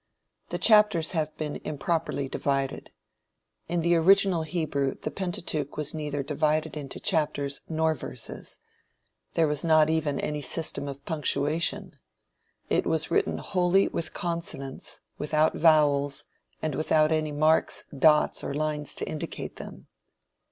The chapters have been improperly divided. In the original Hebrew the Pentateuch was neither divided into chapters nor verses. There was not even any system of punctuation. It was written wholly with consonants, without vowels, and without any marks, dots, or lines to indicate them.